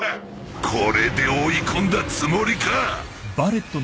これで追い込んだつもりか！